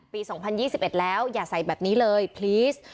๒๐๒๑แล้วอย่าใส่แบบนี้เลยพลีส